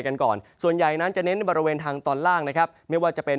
กันก่อนส่วนใหญ่นั้นจะเน้นในบริเวณทางตอนล่างนะครับไม่ว่าจะเป็น